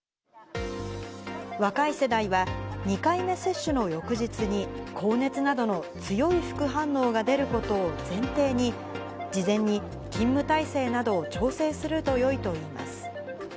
若い世代は、２回目接種の翌日に、高熱などの強い副反応が出ることを前提に、事前に勤務態勢などを調整するとよいといいます。